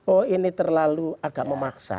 oh ini terlalu agak memaksa